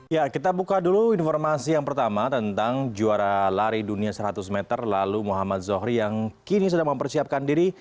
ya kita buka dulu informasi yang pertama tentang juara lari dunia seratus meter lalu muhammad zohri yang kini sedang mempersiapkan diri